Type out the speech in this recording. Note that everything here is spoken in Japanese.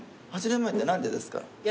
８年前って何でですか？